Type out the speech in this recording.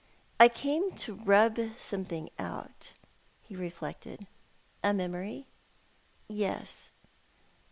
"I came to rub something out." He reflected. "A memory?" "Yes."